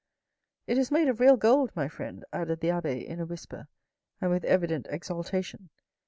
It is made of real gold, my friend," added the abbe in a whisper, and with evident exaltation.